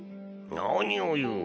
何を言う。